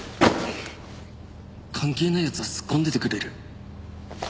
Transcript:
関係ない奴はすっこんでてくれる？